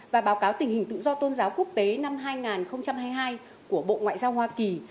và báo cáo tình hình tự do tôn giáo quốc tế năm hai nghìn hai mươi hai của bộ ngoại giao hoa kỳ